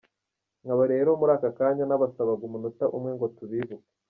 Nkaba rero muri aka kanya nabasabaga umunota umwe ngo tubibuke